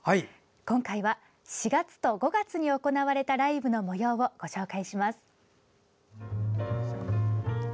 今回は４月と５月に行われたライブのもようをご紹介します。